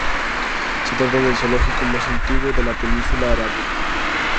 Se trata del zoológico más antiguo de la Península Arábiga.